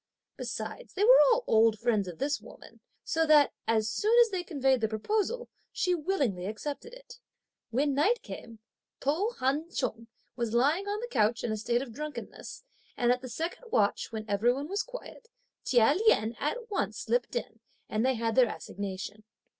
Besides, they were all old friends of this woman, so that, as soon as they conveyed the proposal, she willingly accepted it. When night came To Hun Ch'ung was lying on the couch in a state of drunkenness, and at the second watch, when every one was quiet, Chia Lien at once slipped in, and they had their assignation.